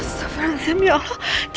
astaghfirullahaladzim ya allah